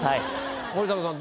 森迫さん